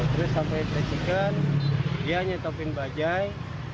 terus sampai chicken dia nyetopin bajai